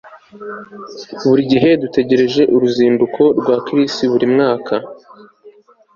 Buri gihe dutegereje uruzinduko rwa Chris buri mwaka